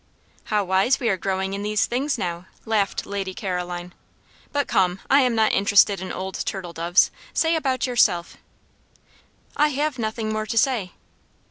"How wise we are growing in these things now!" laughed Lady Caroline. "But come, I am not interested in old turtle doves. Say about yourself." "I have nothing more to say."